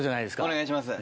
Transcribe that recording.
お願いします。